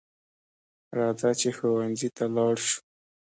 راځه چې ښوونځي ته لاړ شو